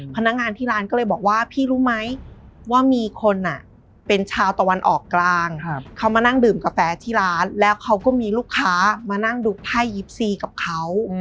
พนักงานที่ร้านก็เลยบอกว่าพี่รู้ไหมว่ามีคนเป็นชาวตะวันออกกลางเขามานั่งดื่มกาแฟที่ร้านแล้วเขาก็มีลูกค้ามานั่งดูไพ่๒๔กับเขา